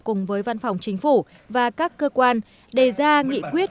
cùng với văn phòng chính phủ và các cơ quan đề ra nghị quyết